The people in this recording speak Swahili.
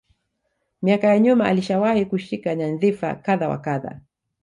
Miaka ya nyuma alishawahi kushika nyandhifa kadha wa kadha